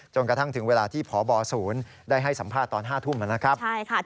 กระทั่งถึงเวลาที่พบศูนย์ได้ให้สัมภาษณ์ตอน๕ทุ่มนะครับ